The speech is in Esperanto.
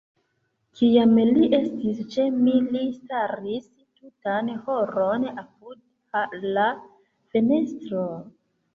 Kiam li estis ĉe mi, li staris tutan horon apud la fenestro.